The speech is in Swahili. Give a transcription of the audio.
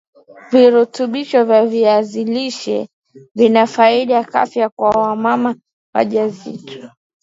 Virutubisho vya viazi lishe vina faida kiafya kwa wamama wajawazito